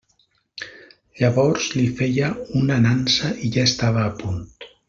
Llavors li feia una nansa i ja estava a punt.